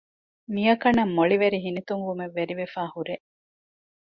މިއަކަނަށް މޮޅިވެރި ހިނިތުންވުމެއް ވެރިވެފައި ހުރޭ